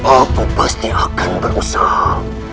aku pasti akan berusaha